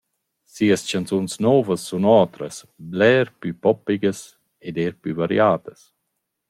Sias chanzuns nouvas sun otras, bler plü poppigas ed eir plü variadas.